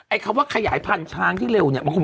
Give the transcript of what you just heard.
คำว่าขยายพันธุ์ช้างที่เร็วเนี่ย